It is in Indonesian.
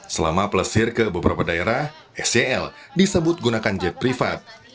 selama plesir ke beberapa daerah sel disebut gunakan jet privat